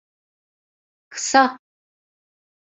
Kısa.